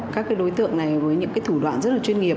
các cái đối tượng này với những thủ đoạn rất là chuyên nghiệp